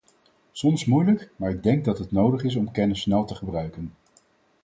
Soms moeilijk, maar ik denk dat het nodig is om kennis snel te gebruiken.